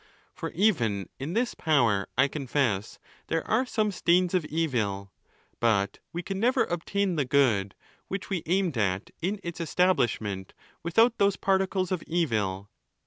For even in this power, I confess there are some stains of evil; but we can never obtain the good which we aimed at in its establishment without those particles of evil.